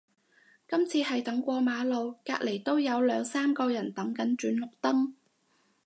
今次係等過馬路，隔離都有兩三個人等緊轉綠燈